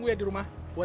yaudah duluan ya